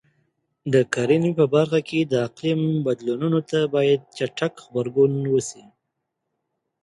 د کرنې په برخه کې د اقلیم بدلونونو ته باید چټک غبرګون وشي.